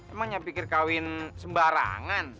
emangnya pikir kawin sembarangan